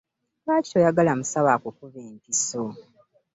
Lwaki toyagala musawo akukube empiso?